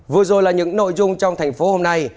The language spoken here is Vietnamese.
vừa rồi là những nội dung trong thành phố hôm nay